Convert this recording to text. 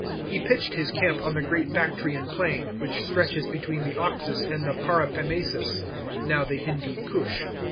He pitched his camp on the great Bactrian plain, which stretches between the Oxus and the Paropamisus (now the Hindoo Koosh).